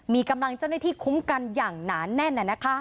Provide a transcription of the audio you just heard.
มีกำลังเจ้าหน้าที่คุ้มกันอย่างหนาแน่น